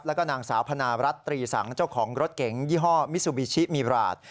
แล้วก็นางสาวพนารัฐตรีสังเจ้าของรถเก๋งยี่ห้อมิซูบิชิมีบราด